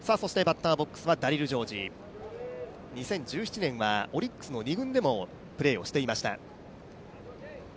ダリル・ジョージ、２０１７年はオリックスの２軍でもプレーをしていました。